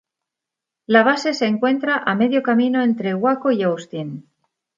La base se encuentra a medio camino entre Waco y Austin.